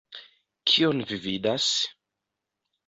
Kion vi vidas?